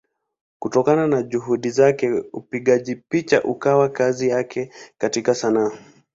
Kutokana na Juhudi zake upigaji picha ukawa kazi yake katika Sanaa.